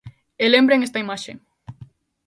E lembren esta imaxe.